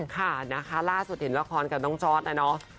ค่ะนะคะล่าสุดเห็นละครกับน้องจอร์ดนะเนาะ